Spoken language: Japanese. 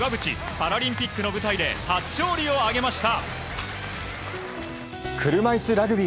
パラリンピックの舞台で初勝利を挙げました。